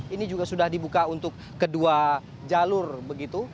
ini juga sudah dibuka untuk kedua jalur begitu